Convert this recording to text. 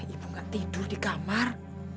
ibu gak tidur di kamar